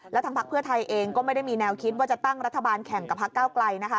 และทางภาคเพื่อไทยเองก็ไม่ได้มีแนวคิดว่าจะตั้งรัฐบาลแข่งกับภาคก้าวไกล